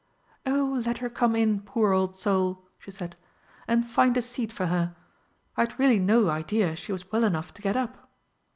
"Oh, let her come in, poor old soul," she said, "and find a seat for her. I'd really no idea she was well enough to get up."